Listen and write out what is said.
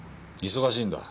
忙しいんだ。